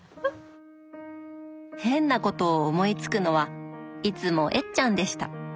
変なことを思いつくのはいつもえっちゃんでした。